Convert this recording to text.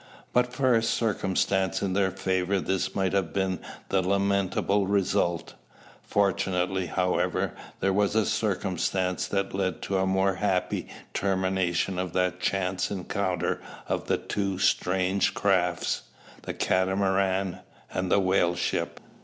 But for a circumstance in their favour this might have been the lamentable result. Fortunately, however, there was a circumstance that led to a more happy termination of that chance encounter of the two strange crafts, the Catamaran and the whale ship.